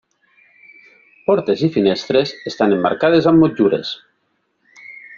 Portes i finestres estan emmarcades amb motllures.